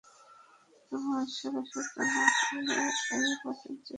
তোমার সাড়াশব্দ না পেলে এই বাটন চেপে দেবো আমি।